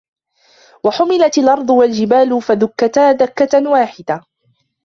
وَحُمِلَتِ الأَرْضُ وَالْجِبَالُ فَدُكَّتَا دَكَّةً وَاحِدَةً